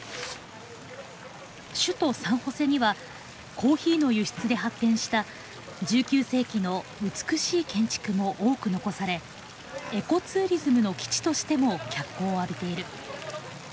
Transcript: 首都サンホセにはコーヒーの輸出で発展した１９世紀の美しい建築も多く残されエコツーリズムの基地としても脚光を浴びている。